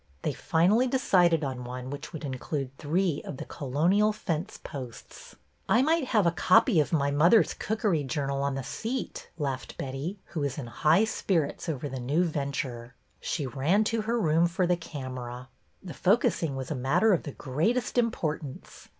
They finally decided on one which would include three of the colonial fence posts. I might have a copy of My Mother's Cook ery Journal on the seat," laughed Betty, who was in high spirits over the new venture. She ran to her room for the camera. The focussing was a matter of the greatest importance.